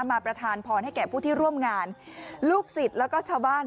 ประธานพรให้แก่ผู้ที่ร่วมงานลูกศิษย์แล้วก็ชาวบ้าน